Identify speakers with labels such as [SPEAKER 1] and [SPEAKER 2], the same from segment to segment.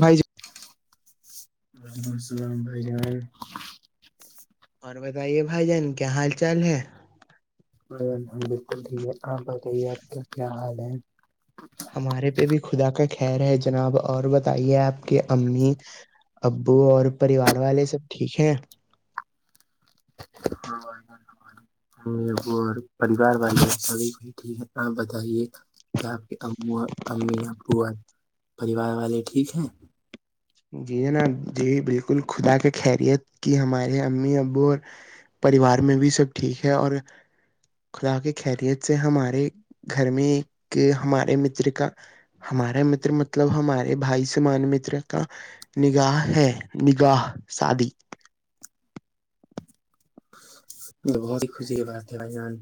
[SPEAKER 1] بھائی ج
[SPEAKER 2] وعلیکم السلام بھائی جار
[SPEAKER 1] اور بتائیے بھائی جان کیا حال چال ہے
[SPEAKER 2] بالکل ٹھیک ہے آپ بتائیے آپ کا کیا حال ہے
[SPEAKER 1] ہمارے پہ بھی خدا کا خیر ہے جناب اور بتائیے آپ کی امی ابو اور پریوار والے سب ٹھیک ہیں
[SPEAKER 2] ہاں اور پریوار والے سبھی ٹھیک ہے آپ بتائیے کیا آپ کی ا امی اپو اور پریوار والے ٹھیک ہے
[SPEAKER 1] جی جناب جی بالکل خدا کی خیریت کی ہمارے امی ابو اور پریوار میں بھی سب ٹھیک ہے اور خدا کی خیریت سے ہمارے گھر میں ہمارے متر کا ہمارا متر مطلب ہمارے بھائی سے مان متر کا نگاہ ہے نگاہ شادی
[SPEAKER 2] بہت ہی خوشی ہے بات تھ بھائی جان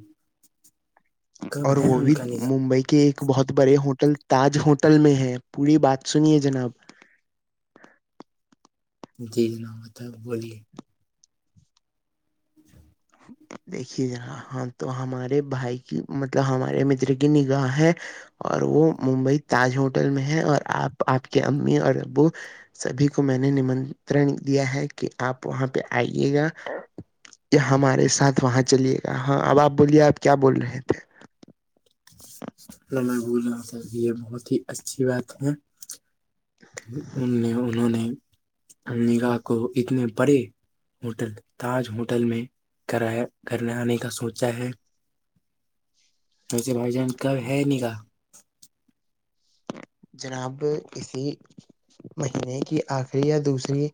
[SPEAKER 2] کب ہے ان کا نگام
[SPEAKER 1] کہ ایک بہت بڑے ہوٹل تاج ہوٹل میں ہے پوری بات سنیے جناب
[SPEAKER 2] جی جناب بتا ہے بولیے ج
[SPEAKER 1] دیکھیے جا ہاں تو ہمارے بھائی کی مطلب ہمارے متر کی نگاہ ہے اور وہ ممبئی تاج ہوٹل میں ہے اور آپ آپ کے امی اور ابو سبھی کو میں نے نمترن دیا ہے کہ آپ وہاں پہ آئیے گا یا ہمارے ساتھ وہاں چلیے گا ہاں اب آپ بولیے آپ کیا بول رہے تھے
[SPEAKER 2] میں میں بول رہا ہ س یہ بہت ہی اچھی بات ہے کہ ان میں انہوں نے نگا کو اتنے پڑے ہوٹل تاج ہوٹل میں کرایا کرنے آنے کا سوچتا ہے ویسے بھائی جان کب ہے ن کہا
[SPEAKER 1] جناب اسی مہینے کی آخری یا دوسری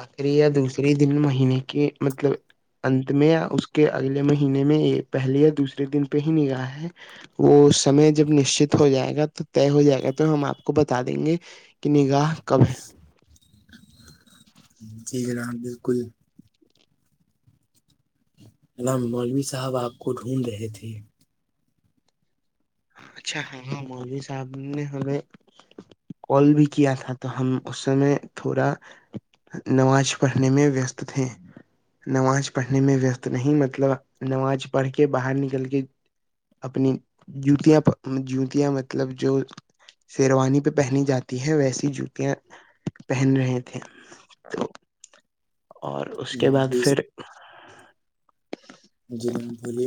[SPEAKER 1] آخری یا دوسرے دن مہینے کے مطلب ات میں یا اس کے اگلے مہینے میں پہلے یا دوسرے دن پہ ہی نگاہ ہے وہ سمے جب نشچت ہو جائے گا تو طے ہو جائے گا تو ہم آپ کو بتا دیں گے کہ نگاہ کب ہے
[SPEAKER 2] جٹھیک ہے نام بالکل ن ن مولوی صاحب آپ کو ڈھونڈ رہے تھے
[SPEAKER 1] اچھا ہاں ہاں مودی صاحب نے ہمیں کال بھی کیا تھا تو ہم اس سمے تھوڑا نماز پڑھنے میں ویست تھے نماز پڑھنے میں ویست نہیں مطلب نماز پڑھ کے باہر نکل کے اپنی جوتیا جوتیا مطلب جو شیروانی پہ پہنی جاتی ہے ویسی جوتیاں پہن رہے تھے تو اور اس کے بعد
[SPEAKER 2] مولوی
[SPEAKER 1] پھر
[SPEAKER 2] جی بولیے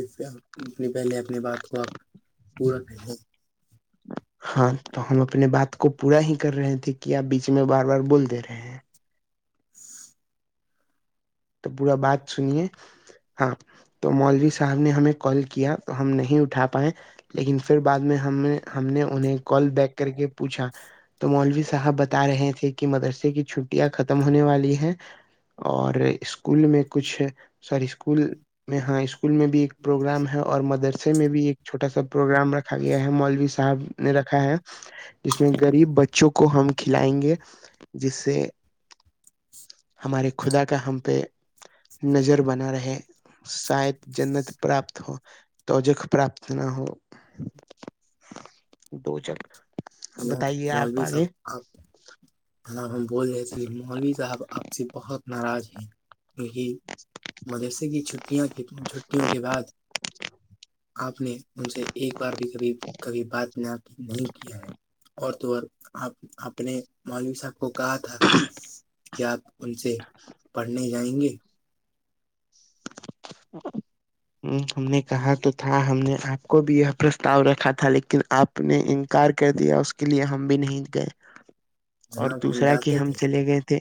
[SPEAKER 2] اپنی پہلے اپنی بات کو آپ پورا کر لیں
[SPEAKER 1] [unintelligible] ہاں تو ہم اپنے بات کو پورا ہی کر رہے تھے کہ آپ بیچ میں بار بار بول دے رہے ہیں
[SPEAKER 2] [unintelligible]
[SPEAKER 1] تو پورا بات سنیے ہاں تو مولوی صاحب نے ہمیں کال کیا تو ہم نہیں اٹھا پائے لیکن پھر بعد میں ہم نے ہم نے انہیں کال بیک کر کے پوچھا تو مولوی صاحب ب رہے تھے کہ مدرسے کی چھٹیاں ختم ہونے والی ہیں اور اسکول میں کچھ ساری اسکول میں ہاں اسکول میں بھی ایک پروگرام ہے اور مدرسے میں بھی ایک چھوٹا سا پروگرام رکھا گیا ہے مولوی صاحب نے رکھا ہے جس میں غریب بچوں کو ہم کھلائیں گے جس سے ہمارے خدا کا ہم پہ نظر بنا رہے شاید جنت پراپت ہو توجک پراپت نہ ہو دوچک
[SPEAKER 2] مج بھی سب اب جناب ہم بول رہے تھے مولوی صاحب اب سے بہت ناراض ہیں یہی مدرسے کی چیاں چھٹیوں کے بعد آپ نے ان سے ایک بار بھیبھی کبھی بات نہیں کیا ہے اور تو اور اپنے مولوی صاحب کو کہا تھا کہ آپ ان سے پڑھنے جائیں گے
[SPEAKER 1] ا ہم نے کہا تو تھا ہم نے آپ کو بھی یہ پرستاؤ رکھا تھا لیکن آپ نے انکار کر دیا اس کے لیئے ہم بھی نہیں گئے اور
[SPEAKER 2] جناب
[SPEAKER 1] دوسرا کہ
[SPEAKER 2] جاتے
[SPEAKER 1] ہم
[SPEAKER 2] تھے
[SPEAKER 1] چلے گئے تھے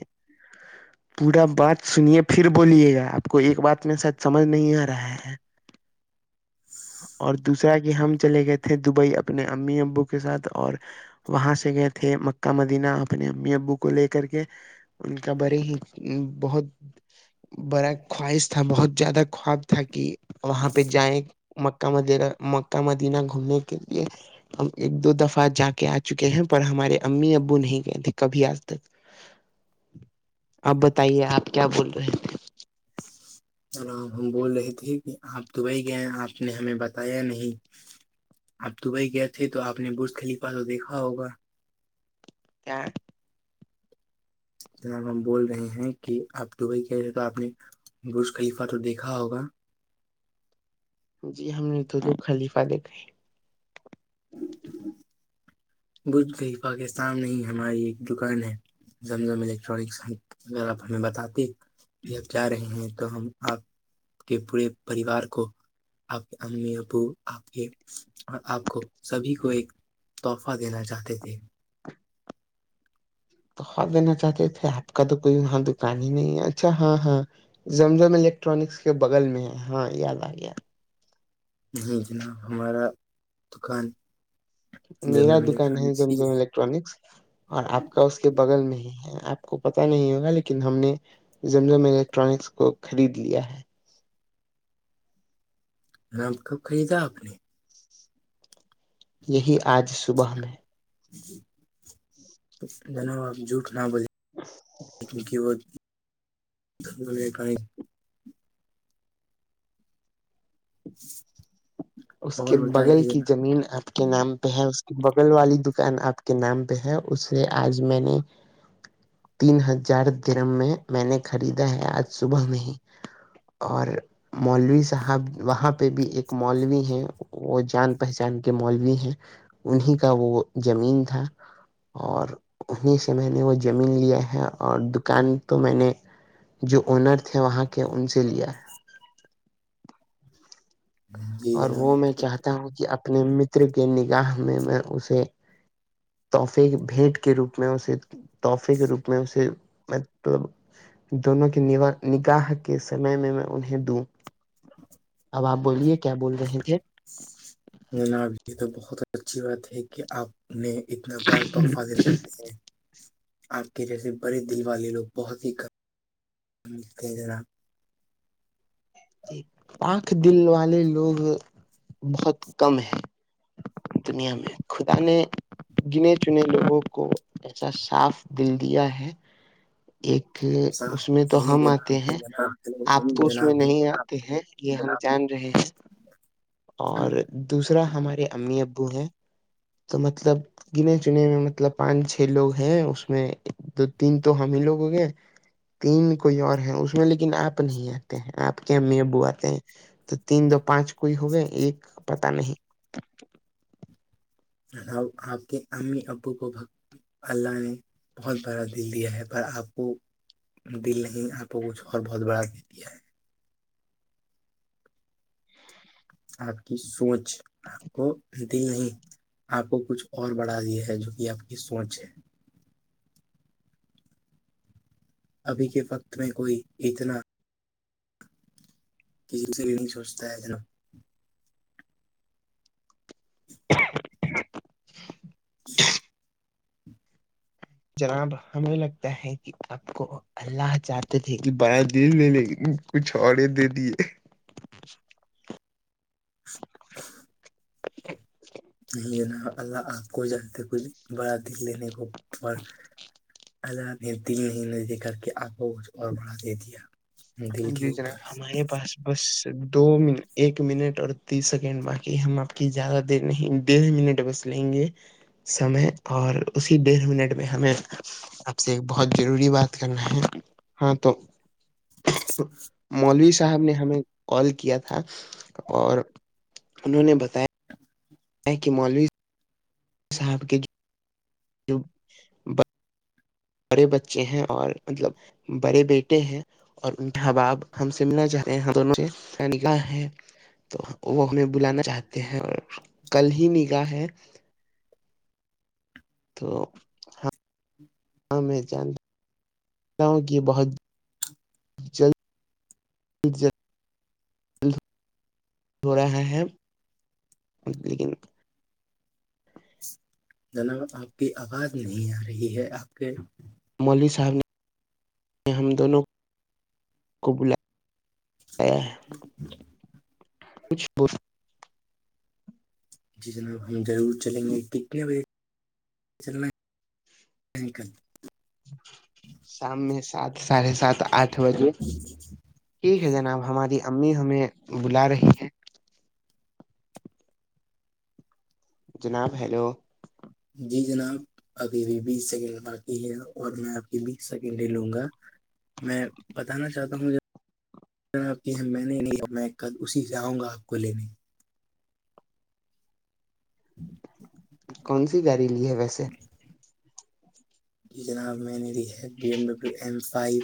[SPEAKER 1] پورا بات سنیے پھر بولیے گا آپ کو ایک بات میں س سمجھ نہیں آ رہا ہے اور دوسرا کہ ہم چلے گئے تھے دبئی اپنے امی ابو کے ساتھ اور وہاں سے گئے تھے مکہ مدینہ اپنے امی ابو کو لے کر کے ان کا بڑے ہی بہت بڑا خواہش تھا بہت زیادہ خواب تھا کہ وہاں پہ جائیں مکہ مدینہ مکہ مدینہ گھومنے کے لیے ہم ایک دو دفعہ جا کے آ چکے ہیں پر ہمارے امی ابو نہیں گئے تھے کبھی آج تک اب بتائیے آپ کیا بول رہے
[SPEAKER 2] جام ہم بول رہے تھے کہ آپ دبئی گئے ہیں آپ نے ہمیں بتایا نہیں آپ دبئی گئے تھے تو آپ نے برز خلیفہ تو دیکھا ہوگا
[SPEAKER 1] کیا
[SPEAKER 2] جناب ہم بول رہے ہیں کہ آپ دبئی گئے تھے تو آپ نے برز خلیفہ تو دیکھا ہوگا
[SPEAKER 1] جی ہم نے تو د خلیفہ دیکھا ہے
[SPEAKER 2] ہوں ہوں بھ گئی پاکستان میں ہی ہماری ایک دکان ہے جم جم الیکٹرانکسغ ہمیں بتاتی کہ آب جا رہے ہیں تو ہم آپ کے پورے پریوار کو آپ کے امی ابو آپ کے اور آپ کو سبھی کو ایک تحفہ دینا چاہتے تھے
[SPEAKER 1] تو خا دینا چاہتے تھے آپ کا تو کوئی وہاں دکان ہی نہیں ہے اچھا ہاں ہاں زمزم الیکٹرانکس کے بغل میں ہے ہاں یاد آ گیا
[SPEAKER 2] نہیں جناب ہمارا دکان جب م خان تھی
[SPEAKER 1] ٹرکس اور آپ کا اس کے بغل میں ہی ہے آپ کو پت نہیں ہوگا لیکن ہم نے زمزوں میں الیکٹرانکس کو خرید لیا ہے
[SPEAKER 2] نام کپ خریدا آپ نے
[SPEAKER 1] یہی آج صبح میں
[SPEAKER 2] دھنیہ واد جٹ نہ بول کیونک وہ [inaudible]
[SPEAKER 1] اس کے
[SPEAKER 2] اور
[SPEAKER 1] بغل
[SPEAKER 2] بتائیے
[SPEAKER 1] کی زمین آپ کے نام پہ ہے اس کے بغل والی دکان آپ کے نام پہ ہے اسے آج میں نے تین ہزار درم میں میں نے خریدا ہے آج صبح میں ہی اور مولوی صاحب وہاں پہ بھی ایک مولوی ہیں وہ جان پہچان کے مولوی ہیں انیں کا وہ زمین تھا اور انہیں سے میں نے وہ زمین لیا ہے اور دکان تو میں نے جو آونر تھے وہاں کے ان سے لیا ہے
[SPEAKER 2] [inaudible] جناب جی
[SPEAKER 1] اور وہ میں
[SPEAKER 2] جناب
[SPEAKER 1] چاہتا ہوں کہ اپنے متر کے نگاہ میں میں اسے تحفے کے بھیٹ کے روپ میں اسے تحفے کے روپ میں اسے میں تو دونوں کے نگاہ کے سمے میں میں انہیں دوں
[SPEAKER 2] [inaudible]
[SPEAKER 1] اب آپ بولیے کیا بول رہے تھے
[SPEAKER 2] ن ابھی تو بہت اچھی بات ہے کہ آپ نے اتنا بار تحفہ دے جے ہے آپ کے جیسے بڑے دل والے لوگ بہت ہی کم ملتے ہیں جناب
[SPEAKER 1] پاک دل والے لوگ بہت کم ہیں دنیا میں خدا نے گنے چنے لوگوں کو جسا صاف بلندیا ہے ایک
[SPEAKER 2] صاف
[SPEAKER 1] اس میں تو
[SPEAKER 2] نہیں
[SPEAKER 1] ہم
[SPEAKER 2] جناب
[SPEAKER 1] آتے
[SPEAKER 2] جی
[SPEAKER 1] ہیں
[SPEAKER 2] جناب چلو
[SPEAKER 1] آپ تو اس میں
[SPEAKER 2] جناب
[SPEAKER 1] نہیں آتے ہیں یہ ہم جان رہے ہیں اور دوسرا ہمارے امی ابو ہیں تو مطلب گنے چنے میں مطلب پانچ چھ لوگ ہیں اس میں دو تین تو ہم ہی لوگ ہو گئے تین کوئی اور ہے اس میں لیکن آپ نہیں آتے ہیں آپ کے امی ابو آتے ہیں تو تین دو پانچ کوئی ہو گئے ایک پتا نہیں
[SPEAKER 2] آپ کے امی ابو کو اللہ نے بہت بڑا دل دیا ہے پر آپ کو دل نہیں آپ کو کچھ اور بہت بڑا دے دیا ہے آپ کی سوچ آپ کو د نہیں آپ کو کچھ اور بڑھا دیا ہے جو کہ آپ کی سوچ ہے ابھی کے وقت میں کوئی اتنا کسی سے بھی نہیں سوچتا ہے نا
[SPEAKER 1] [inaudible]
[SPEAKER 2] جی
[SPEAKER 1] جناب ہمیں لگتا ہے کہ سب کو [inaudible] اللہ چاہتے تھے کہ بیا دل میں لے کچھ اورڑے دے دیے
[SPEAKER 2] یہ ن [unintelligible] اللہ آپ کو جگتے کچھ بڑا دل لینے کو پر [inaudible] آز نے تین منے دے کر کے آگ کو اور بڑا دے دیا دل کے
[SPEAKER 1] جی
[SPEAKER 2] اوپر
[SPEAKER 1] جناب ہمارے پاس بس دو منٹ ایک منٹ اور تیس سیکنڈ باقی ہم آپ کی زیادہ دیر نہیں ڈیڑھ منٹ بس لیں گے سمے اور اسی ڈیڑھ منٹ میں ہمیں آپ سے ایک بہت ضروری بات کرنا ہے ہاں تو مولوی صاحب نے ہمیں کال کیا تھا اور انہوں نے بتایا یہ کہ مولوی صاحب کے ج [unintelligible] بڑے بچے ہیں اور مطلب بڑے بیٹے ہیں اور انٹباب ہم سے ملنا چاہتے ہیں یہ دونوں سے نکح ہے [inaudible] تو وہ ہمیں بلانا چاہتے ہیں اور کل ہی نکاح ہے تو ہا میں جان تاں کی یہ بہت چل جز [unintelligible] ب [unintelligible] ہو رہا ہے لیکن
[SPEAKER 2] جناب آپ کی آواز نہیں آ رہی ہے آپ کے
[SPEAKER 1] مولوی صاحب نے نے ہم دونوں کو بلایا ہے
[SPEAKER 2] ج [unintelligible]
[SPEAKER 1] کچھ پوچ
[SPEAKER 2] جی جناب ہم ضرور چلیں گے کتنے بجے چلنا ہے کل
[SPEAKER 1] شام میں سات ساڑھے سات آٹھ بجے ٹھیک ہے جناب ہماری امی ہمیں بلا رہی ہے جناب ہیلو
[SPEAKER 2] جی جناب ابھی بھی بیس سیکنڈ باقی ہے اور میں اپ کی بیس سیکنڈ ہی لوں گا میں بتانا چاہتا ہوں [inaudible] آپ کہ میں نے نہیں میں کل اسی سے آؤں گا آپ کو لینے
[SPEAKER 1] کون سی گاڑی لی ہے ویسے
[SPEAKER 2] جی جناب میں نے لی ہے B M W M five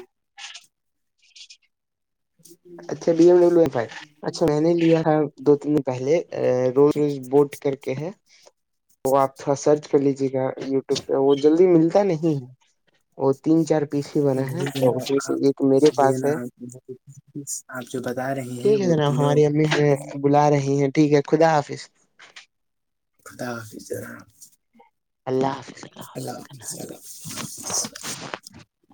[SPEAKER 1] اچھا بی ایم ڈبلو بھائی اچھا میں نے لیا تھا دو تین دن پہلے روز روز بوٹ کر کے ہیں تو آپ تھوڑا سرچ کر لیجیے گا یوٹیوب پہ وہ جلدی ملتا نہیں ہے وہ تین چار پیس ہی بنا ہے
[SPEAKER 2] جی
[SPEAKER 1] اور اس میں
[SPEAKER 2] جناب
[SPEAKER 1] سے
[SPEAKER 2] آپ
[SPEAKER 1] ایک میرے
[SPEAKER 2] جی
[SPEAKER 1] پاس ہے
[SPEAKER 2] آپ جو بتا رہے ہیں
[SPEAKER 1] ٹھیک ہے
[SPEAKER 2] وہ
[SPEAKER 1] جناب
[SPEAKER 2] تینوں
[SPEAKER 1] ہماری امی ہمیں بلا رہی ہیں ٹھیک ہے خدا حافظ
[SPEAKER 2] خدا حاظ اللہ حافظ اللہ الفظ [unintelligible]